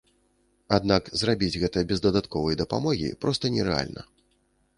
Аднак зрабіць гэта без дадатковай дапамогі проста нерэальна.